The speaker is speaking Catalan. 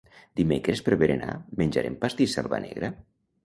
Dimecres per berenar menjarem pastís selva negra?